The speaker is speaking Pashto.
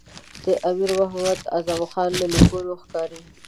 د امیر محمد اعظم خان له لیکونو ښکاري.